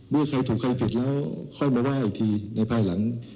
เมื่อใครถูกใครผิดแล้วค่อยมาว่าอีกทีในภายหลัง